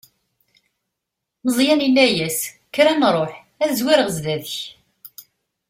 Meẓyan yenna-as: Kker ad nṛuḥ, ad zwireɣ zdat-k.